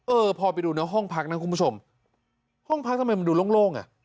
เออพอไปดูในห้องพักนะคุณผู้ชมห้องพักทำไมมันดูโล่งอ่ะ